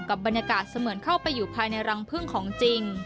บรรยากาศเสมือนเข้าไปอยู่ภายในรังพึ่งของจริง